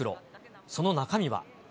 その中身は。